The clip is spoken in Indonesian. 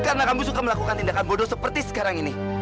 karena kamu suka melakukan tindakan bodoh seperti sekarang ini